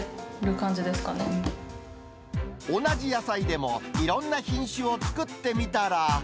同じ野菜でも、いろんな品種を作ってみたら。